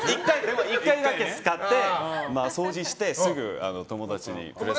１回だけ使って、掃除してすぐ友達にプレゼント。